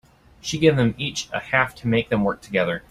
She gave them each a half to make them work together.